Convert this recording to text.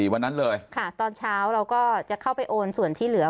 วันนั้นเลยค่ะตอนเช้าเราก็จะเข้าไปโอนส่วนที่เหลือ